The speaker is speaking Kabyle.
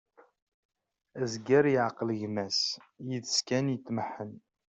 Azger yeεqel gma-s, yid-s kan i itmeḥḥen.